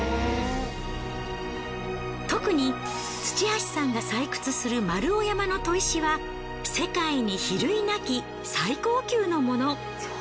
特に土橋さんが採掘する丸尾山の砥石は世界に比類なき最高級のもの。